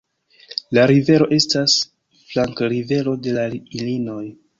La rivero estas flankrivero de la Ilinojo.